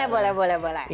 boleh boleh boleh